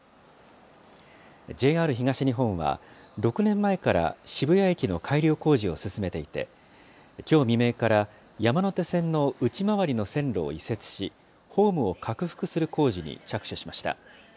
ＪＲ東日本は、６年前から渋谷駅の改良工事を進めていて、きょう未明から山手線の内回りの線路を移設し、ホームを拡幅する工事に着手しました。